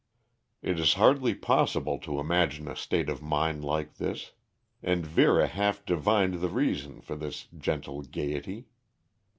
It is hardly possible to imagine a state of mind like this. And Vera half divined the reason for this gentle gaiety.